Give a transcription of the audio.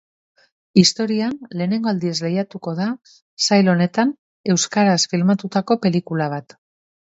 Historian lehenengoz lehiatuko da sail honetan euskaraz filmatutako pelikula bat.